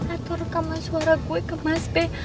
atau rekaman suara gue ke mas b